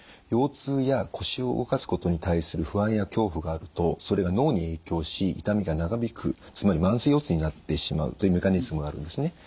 腰痛や腰を動かすことに対する不安や恐怖があるとそれが脳に影響し痛みが長引くつまり慢性腰痛になってしまうというメカニズムがあるんですね。